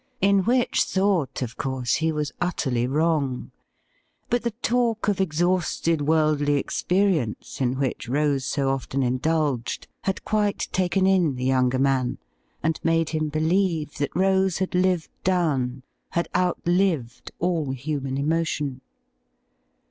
In which thought, of course, he was utterly wrong ; but the talk of exhausted worldly ex perience in which Rose so often indulged had quite taken in the younger man, and made him believe that Rose had lived down, had outlived, all human emotion.